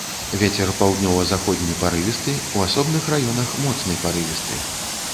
Вецер паўднёва-заходні парывісты, у асобных раёнах моцны парывісты.